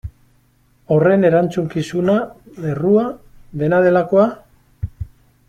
Horren erantzukizuna, errua, dena delakoa?